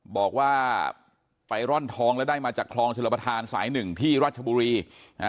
บอกว่าไปร่อนทองแล้วได้มาจากคลองชลประธานสายหนึ่งที่ราชบุรีอ่า